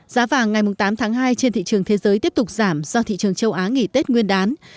giá vàng ngày tám tháng hai trên thị trường thế giới tiếp tục giảm do thị trường châu á nghỉ tết nguyên đán